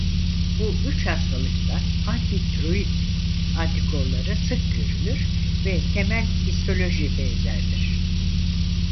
Bu üç hastalıkta anti tiroid antikorları sık görülür ve temel histoloji benzerdir.